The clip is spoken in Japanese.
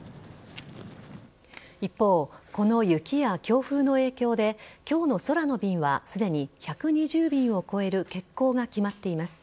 一方、この雪や強風の影響で、きょうの空の便はすでに１２０便を超える欠航が決まっています。